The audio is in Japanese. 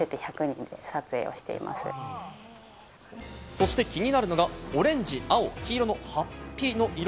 そして、気になるのがオレンジ、青、黄色の法被の色。